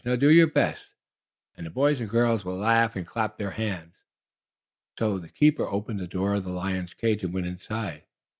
Now do your best, and the boys and girls will laugh and clap their hands." So the keeper opened the door of the lion's cage and went inside.